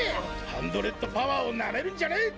ハンドレッドパワーをなめるんじゃねぇ！